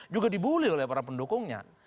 juga dibully oleh para pendukungnya